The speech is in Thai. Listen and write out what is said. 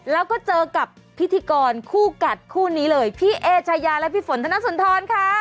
แล้วก็เจอกับพิธีกรคู่กัดคู่นี้เลยพี่เอชายาและพี่ฝนธนสุนทรค่ะ